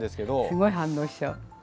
すごい反応しちゃう。